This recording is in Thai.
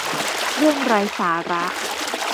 เรื่องไร้สาระ